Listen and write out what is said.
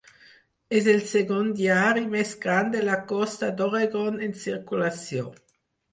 És el segon diari més gran de la costa d'Oregon en circulació.